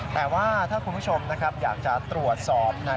แต่ว่าถ้าคุณคุณผู้ชมอยากจะตรวจสอบ